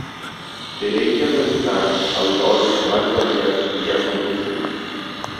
Terei que apresentar aos olhos vários objetos que já são conhecidos.